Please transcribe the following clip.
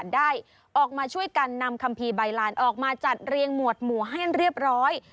ได้ออกมาช่วยกันนำคัมภีร์ใบลานออกมาจัดเรียงหมวดหมู่ให้เรียบร้อย